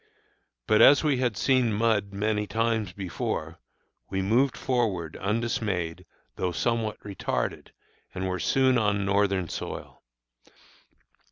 But as we had seen mud many times before, we moved forward undismayed, though somewhat retarded, and were soon on Northern soil.